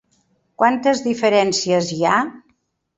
Quantes diferències hi ha?